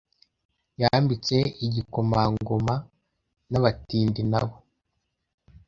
yambitse igikomangoma nabatindi, nabo